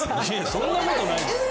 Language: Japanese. そんなことない。